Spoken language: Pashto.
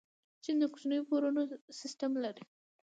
چین د کوچنیو پورونو سیسټم لري.